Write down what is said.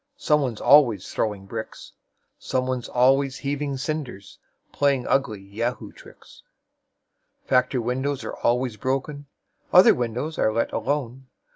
Somebody's always throwing bricks, Somebody's always heaving cinders, Playing ugly Yahoo tricks. Factory windows are always broken. Other windows are let alone.